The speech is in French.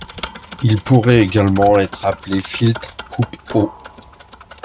Il pourrait également être appelé filtre coupe-haut.